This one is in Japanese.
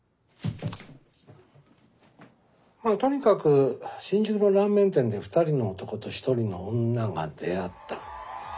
とにかく新宿のラーメン店で２人の男と１人の女が出会った。